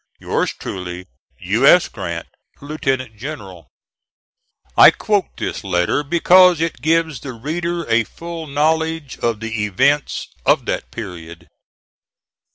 Yours truly, U. S. GRANT, Lieutenant General I quote this letter because it gives the reader a full knowledge of the events of that period.